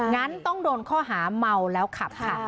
งั้นต้องโดนข้อหาเมาแล้วขับค่ะ